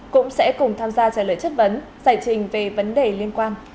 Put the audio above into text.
cũng sẽ cùng tham gia trả lời chất vấn giải trình về vấn đề liên quan